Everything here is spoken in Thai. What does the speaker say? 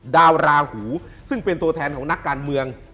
ราหูซึ่งเป็นตัวแทนของนักการเมือง